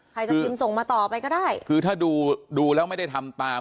ใครจะพิมพ์ส่งมาต่อไปก็ได้คือถ้าดูดูแล้วไม่ได้ทำตาม